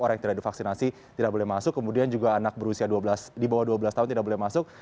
orang yang tidak divaksinasi tidak boleh masuk kemudian juga anak berusia di bawah dua belas tahun tidak boleh masuk